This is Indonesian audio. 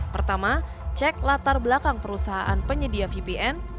pertama cek latar belakang perusahaan penyedia vpn